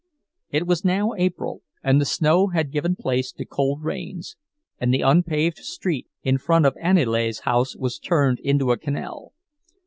It was now April, and the snow had given place to cold rains, and the unpaved street in front of Aniele's house was turned into a canal.